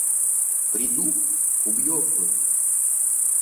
Приду - убью обоих!